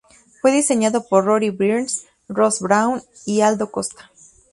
Fue diseñado por Rory Byrne, Ross Brawn y Aldo Costa.